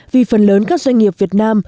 vì phần lớn các doanh nghiệp việt nam